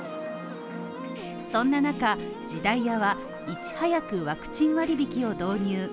そんな中、時代屋はいち早くワクチン割引を導入